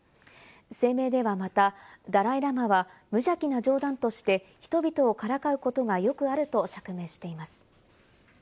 声明ではまた、ダライ・ラマは無邪気な冗談として人々をからかうことがよくあると釈明しています。